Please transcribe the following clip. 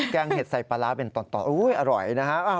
งเห็ดใส่ปลาร้าเป็นตอนอร่อยนะฮะ